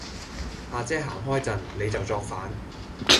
亞姐行開陣,你就作反